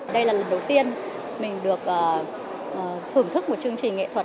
đây là lần đầu tiên mình được thưởng thức một chương trình nghệ thuật